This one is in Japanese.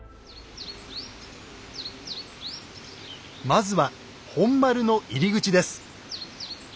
まずは本丸の入り口です。